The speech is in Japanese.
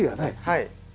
はい。